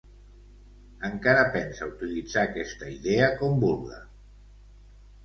Encara pense utilitzar aquesta idea com vulga.